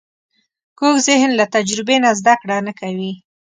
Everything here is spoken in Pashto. کوږ ذهن له تجربې نه زده کړه نه کوي